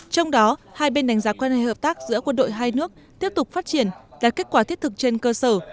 trong đó hai bên đánh giá quan hệ hợp tác giữa quân đội hai nước tiếp tục phát triển đạt kết quả thiết thực trên cơ sở